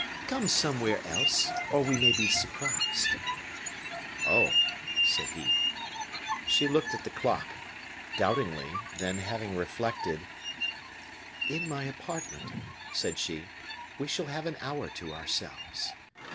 come somewhere else; for we may be surprised." "Oh!" said he. She looked at the clock, doubtingly, then, having reflected: "In my apartment," said she, "we shall have an hour to ourselves."